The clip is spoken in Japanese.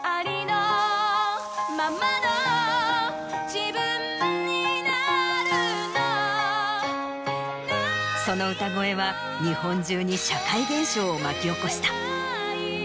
自分になるのその歌声は日本中に社会現象を巻き起こした。